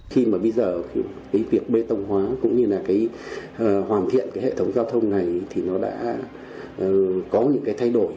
khi mà bây giờ cái việc bê tông hóa cũng như là cái hoàn thiện cái hệ thống giao thông này thì nó đã có những cái thay đổi